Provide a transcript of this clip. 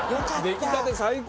出来たて最高！